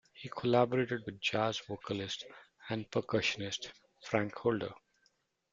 He collaborated with jazz vocalist and percussionist Frank Holder.